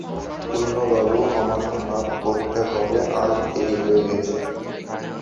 পূর্ণবাবু, আমাকে মাপ করতে হবে, আজ দেরি হয়ে গেছে।